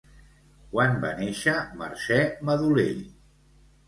Quan va néixer Mercè Madolell?